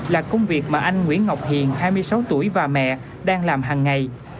là công việc mà anh nguyễn ngọc hiền hai mươi sáu tuổi và mẹ đang làm hàng ngày